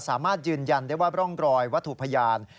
สามารถยืนยันได้ว่าร่องรอยวัตถุพยาน